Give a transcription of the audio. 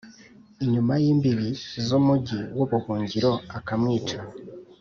inyuma y imbibi z umugi w ubuhungiro akamwica